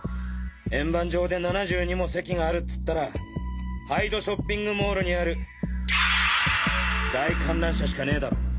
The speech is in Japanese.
円盤状で７２も席があるっつったら杯戸ショッピングモールにある大観覧車しかねえだろ？